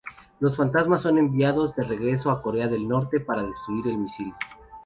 Los fantasmas son enviados de regreso a Corea del Norte para destruir el misil.